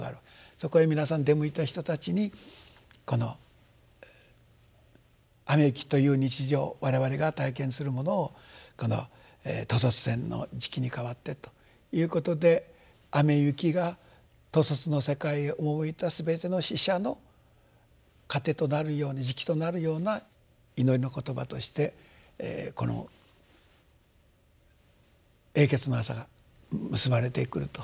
そこへ皆さん出向いた人たちにこの雨雪という日常我々が体験するものをこの兜率天の食に変わってということで雨雪が兜率の世界へ赴いたすべての死者の資糧となるように食となるような祈りの言葉としてこの「永訣の朝」が結ばれてくると。